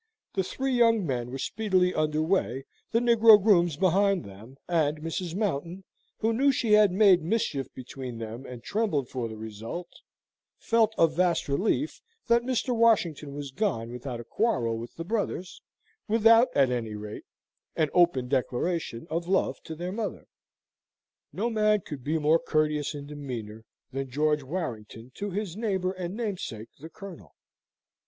The three young men were speedily under way, their negro grooms behind them, and Mrs. Mountain, who knew she had made mischief between them and trembled for the result, felt a vast relief that Mr. Washington was gone without a quarrel with the brothers, without, at any rate, an open declaration of love to their mother. No man could be more courteous in demeanour than George Warrington to his neighbour and namesake, the Colonel.